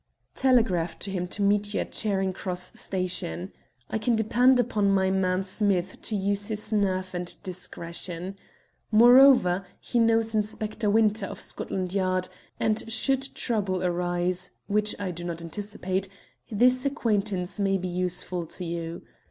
"Telegraph to him to meet you at Charing Cross Station. I can depend upon my man Smith to use his nerve and discretion. Moreover, he knows Inspector Winter, of Scotland Yard, and should trouble arise, which I do not anticipate, this acquaintance may be useful to you.